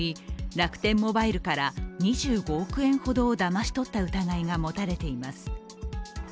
楽天モバイルから２５億円ほどをだまし取った疑いが持たれています。